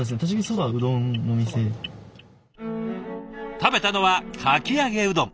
食べたのはかき揚げうどん。